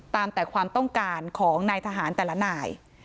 แต่ความต้องการของนายทหารแต่ละนาย